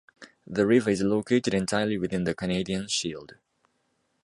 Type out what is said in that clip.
The river is located entirely within the Canadian Shield.